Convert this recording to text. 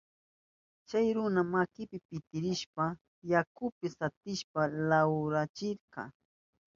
Chay runa makinpi pitirishpan yakupi satishpan lawrachirka.